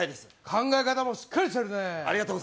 考え方もしっかりしてるね。